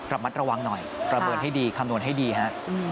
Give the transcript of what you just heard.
ระมัดระวังหน่อยประเมินให้ดีคำนวณให้ดีฮะ